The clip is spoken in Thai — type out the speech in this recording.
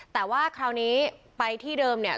แต่ว่าคราวนี้ไปที่เดิมเนี่ย